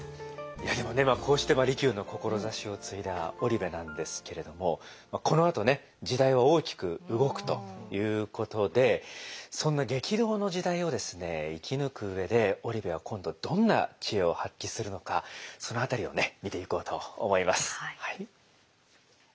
いやでもねこうして利休の志を継いだ織部なんですけれどもこのあと時代は大きく動くということでそんな激動の時代を生き抜く上で織部は今度どんな知恵を発揮するのかその辺りを見ていこうと思います。